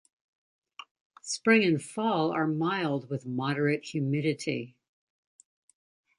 Spring and fall are mild with moderate humidity.